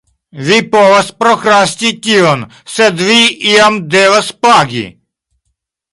Vi povas prokrasti tion, sed vi iam devas pagi.